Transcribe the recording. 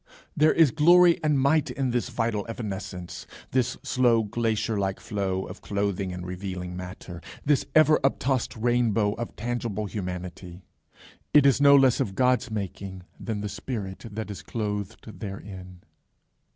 There is glory and might in this vital evanescence, this slow glacier like flow of clothing and revealing matter, this ever uptossed rainbow of tangible humanity. It is no less of God's making than the spirit that is clothed therein.